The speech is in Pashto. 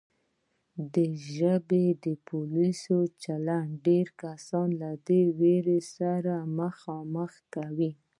د ژبې د پولیسو چلند ډېر کسان له دې وېرې سره مخامخ کوي